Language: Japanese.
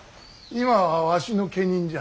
今はわしの家人じゃ。